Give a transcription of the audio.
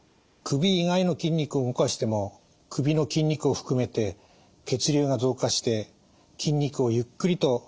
首以外の筋肉を動かしても首の筋肉を含めて血流が増加して筋肉をゆっくりと解きほぐすことができます。